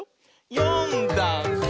「よんだんす」